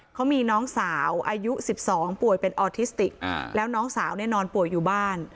เขามีน้องสาวอายุ๑๒ป่วยเป็นออทิสติกแล้วน้องสาวเนี่ยนอนป่วยอยู่บ้าน